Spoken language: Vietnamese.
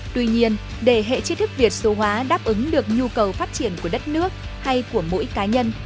tuy nhiên để hệ chi thức việt số hóa đáp ứng được nhu cầu phát triển của đất nước hay của mỗi cá nhân